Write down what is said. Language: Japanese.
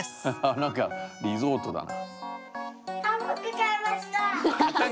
なんかリゾートだな。